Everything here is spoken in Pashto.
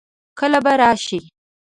کله به راشي؟